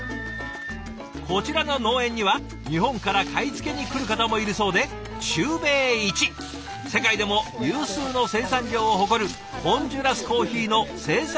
こちらの農園には日本から買い付けに来る方もいるそうで中米一世界でも有数の生産量を誇るホンジュラスコーヒーの生産